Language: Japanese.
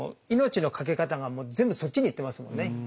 命のかけ方が全部そっちに行ってますもんね。